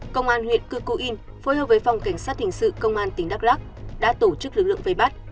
công an huyện cư cu in phối hợp với phòng cảnh sát hình sự công an tỉnh đắk lắc đã tổ chức lực lượng vây bắt